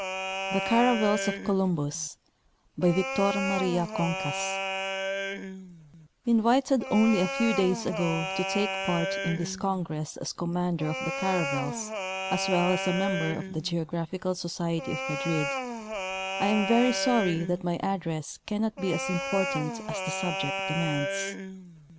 THE CARAVELS OF COLUMBUS BY VICTOR MARIA CONCAS Invited only a few days ago to take a part in this congress as commander of the caravels as well as a member of the Geo graphical Society of Madrid, I am very sorry that my address cannot be as important as the subject demands.